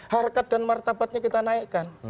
harkat dan martabatnya kita naikkan